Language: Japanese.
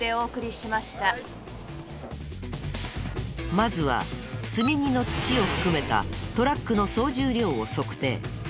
まずは積み荷の土を含めたトラックの総重量を測定。